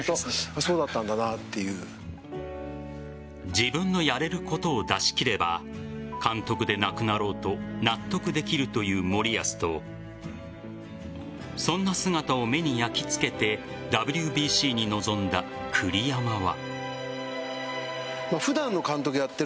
自分のやれることを出し切れば監督でなくなろうと納得できるという森保とそんな姿を目に焼き付けてＷＢＣに臨んだ栗山は。